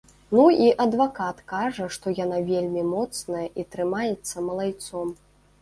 Ну і адвакат кажа, што яна вельмі моцная і трымаецца малайцом.